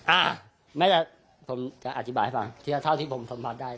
อ่ะแม้ว่าผมจะอธิบายให้ฟังเท่าที่ผมสัมผัสได้